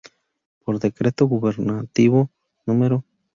Por Decreto Gubernativo No.